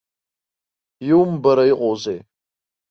Иумбара иҟоузеи.